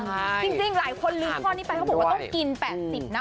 จริงหลายคนลืมข้อนี้ไปต้องกิน๘๐นะ